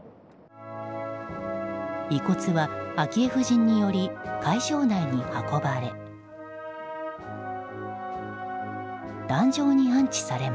遺骨は昭恵夫人により会場内に運ばれ。